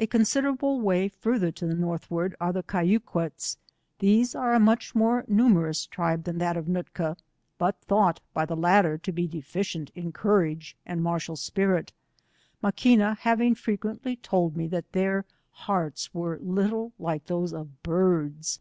A con aiderable way farther to i\)e northward are thd Cai/uqueis', these are a much more numerous tribe thaft that of Nootka but thought by the latter to be deficient in courage and martial spirit, Maquina having frequently told me that their hearts were a little like those of birds.